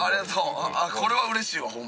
これは嬉しいわホンマに。